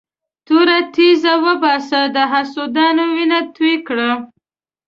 توره تېزه وباسه د حسودانو وینه توی کړه.